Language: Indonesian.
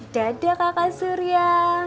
dadah kakak surya